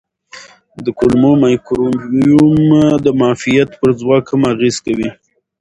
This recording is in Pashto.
د کولمو مایکروبیوم د معافیت پر ځواک هم اغېز کوي.